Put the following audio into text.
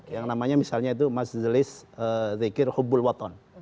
yang namanya misalnya itu majelis zikir hubbulwaton